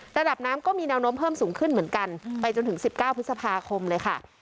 ระดับน้ำก็มีแนวโน้มเพิ่มสูงขึ้นเหมือนกันไปจนถึง๑๙พฤษภาคมเลยค่ะ